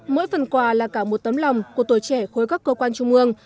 mỗi phần quà là cả một tấm lòng của tuổi trẻ khối các cơ quan trung ương